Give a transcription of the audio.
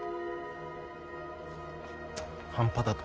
半端だと？